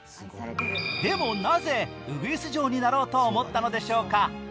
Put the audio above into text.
でも、なぜウグイス嬢になろうと思ったのでしょうか。